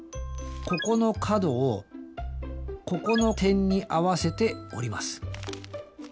ここの角をここの点に合わせて折ります。